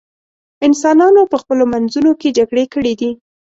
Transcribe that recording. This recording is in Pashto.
انسانانو په خپلو منځونو کې جګړې کړې دي.